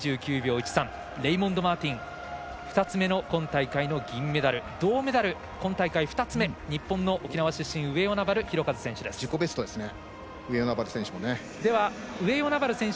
１３レイモンド・マーティン２つ目の今大会の銀メダル銅メダル、今大会２つ目日本の沖縄出身上与那原寛和選手。